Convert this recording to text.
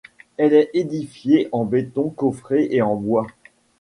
Elle est édifiée en béton coffré et en bois.